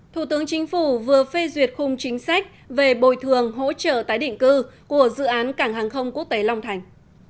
thủ tướng chính phủ vừa phê duyệt khung chính sách về bồi thường hỗ trợ tái định cư của dự án cảng hàng không quốc tế long thành